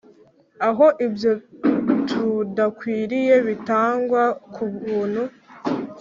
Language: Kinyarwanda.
aho ibyo tudakwiriye bitangwa kubuntu